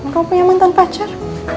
kamu punya mantan pacar